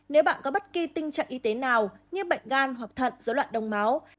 nếu bạn có bất kỳ tình trạng y tế nào như bệnh gan hoặc thận dối loạn đông máu